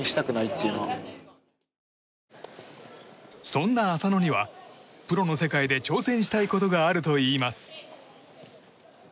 そんな浅野にはプロの世界で挑戦したいことがあるといいます。